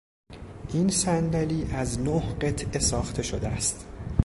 این صندلی از نه قطعه ساخته شده است.